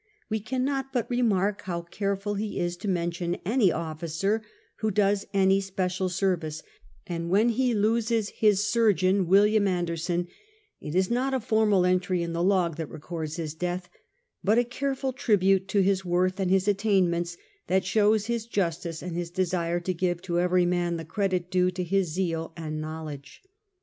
We cppiot but remark how careful he is to mention any officer who does any special service \ and when he loses his surgeon, William Anderson, it is not a formal entry in the log that records his death, but a careful tribute to his worth and his attainments that shows his justice and hii^ desire to give to every man the credit due to his zeal and knowledge.